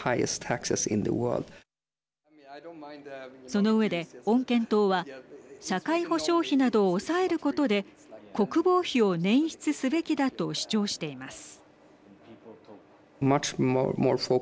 その上で、穏健党は社会保障費などを抑えることで国防費を捻出すべきだと主張しています。